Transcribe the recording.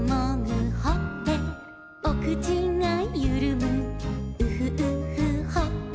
「おくちがゆるむウフウフほっぺ」